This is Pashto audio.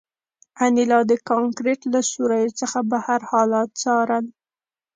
انیلا د کانکریټ له سوریو څخه بهر حالات څارل